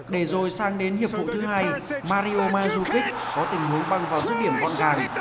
để rồi sang đến hiệp vụ thứ hai mario mazzucchi có tình huống băng vào giúp điểm con càng